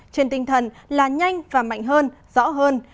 trên tinh thần là nhanh và mạnh hơn rõ hơn